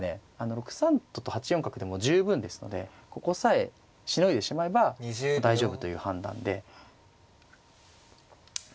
６三とと８四角でも十分ですのでここさえしのいでしまえば大丈夫という判断で。